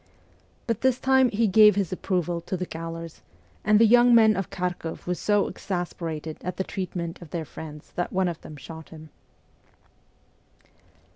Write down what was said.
But this time he gave his approval to the gaolers, and the young men of Kharkoff were so exasperated at the treatment of their friends that one of them shot him.